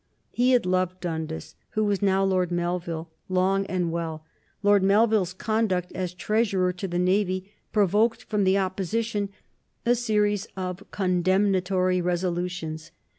He had loved Dundas, who was now Lord Melville, long and well. Lord Melville's conduct as Treasurer to the Navy provoked from the Opposition a series of condemnatory resolutions.